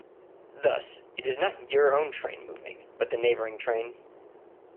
Thus, it is not your own train moving, but the neighboring train.